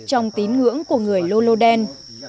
trong tín ngưỡng của người lô lô đen